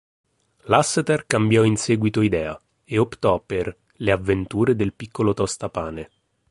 Lasseter cambiò in seguito idea e optò per "Le avventure del piccolo tostapane".